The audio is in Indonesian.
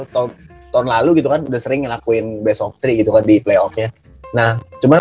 tahun tahun lalu gitu kan udah sering ngelakuin best of three gitu kan di playoffnya nah cuman